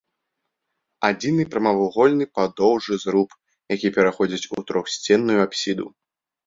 Адзіны прамавугольны падоўжны зруб, які пераходзіць у трохсценную апсіду.